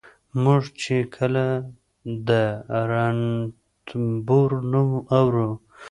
موږ چې کله د رنتنبور نوم اورو